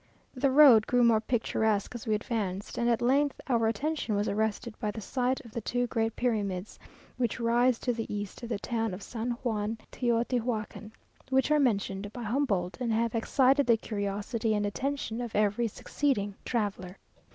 The road grew more picturesque as we advanced, and at length our attention was arrested by the sight of the two great pyramids, which rise to the east of the town of San Juan Teotihuacan, which are mentioned by Humboldt, and have excited the curiosity and attention of every succeeding traveller.